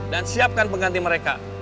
dan siapkan pengganti mereka